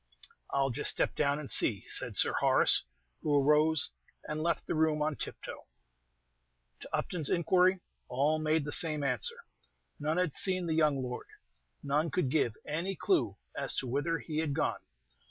"I 'll just step down and see," said Sir Horace, who arose, and left the room on tiptoe. To Upton's inquiry all made the same answer. None had seen the young lord, none could give any clew as to whither he had gone.